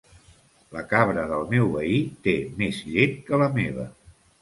La cabra del meu veí té més llet que la meva.